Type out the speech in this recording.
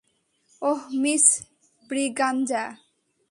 ওহ miss Braganza.